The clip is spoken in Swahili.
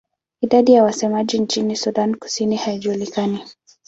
Idadi ya wasemaji nchini Sudan Kusini haijulikani.